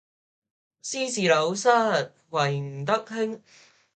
斯是陋室，惟吾德馨